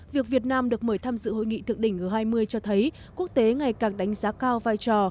việc việt nam được mời tham dự hội nghị thượng đỉnh g hai mươi cho thấy quốc tế ngày càng đánh giá cao vai trò